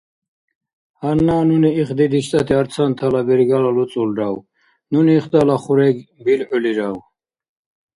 Гьанна нуни ихди диштӀати арцантала бергала луцӀулрав? Нуни илдала хурег билгӀулирав?